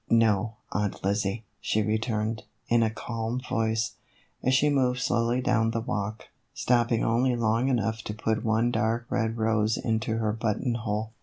" No, Aunt Lizzie," she returned, in a calm voice, as she moved slowly down the walk, stopping only long enough to put one dark red rose into her buttonhole.